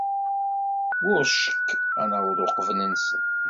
War ccek, ad naweḍ uqbel-nsen.